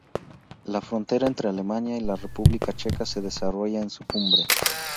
La frontera entre Alemania y la República Checa se desarrolla en su cumbre.